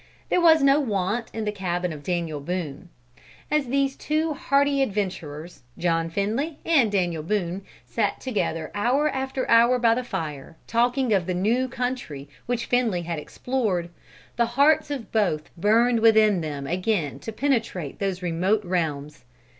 There was no want in the cabin of Daniel Boone. As these two hardy adventurers, John Finley and Daniel Boone, sat together hour after hour by the fire, talking of the new country which Finley had explored, the hearts of both burned within them again to penetrate those remote realms.